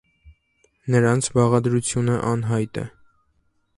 Նրանց բաղադրությունը անհայտ է։